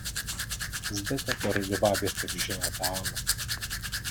Zde tato rodová větev žila dál.